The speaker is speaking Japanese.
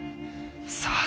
さあ？